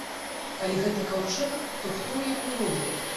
Калі гэта каўчэг, то хто ў якой ролі?